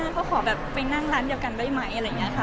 เขาขอแบบไปนั่งร้านเดียวกันได้ไหมอะไรอย่างนี้ค่ะ